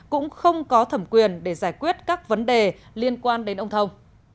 cũng không có thẩm quyền để giải quyết các vấn đề liên quan đến ông thông